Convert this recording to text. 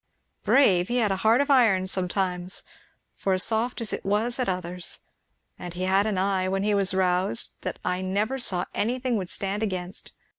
"Brave! he had a heart of iron sometimes, for as soft as it was at others. And he had an eye, when he was roused, that I never saw anything that would stand against.